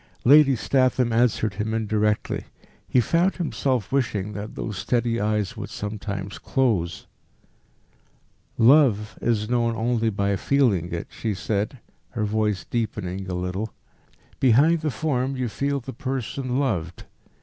Lady Statham answered him indirectly. He found himself wishing that those steady eyes would sometimes close. "Love is known only by feeling it," she said, her voice deepening a little. "Behind the form you feel the person loved.